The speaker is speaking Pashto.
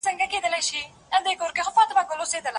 ساینس پوهنځۍ سمدلاسه نه تطبیقیږي.